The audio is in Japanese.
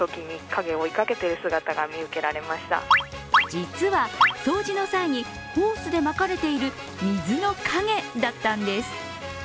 実は掃除の際にホースでまかれている水の影だったんです。